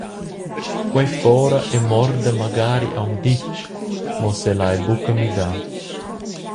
Quei fora e morda magari aunc ditg, mo selai buca midar.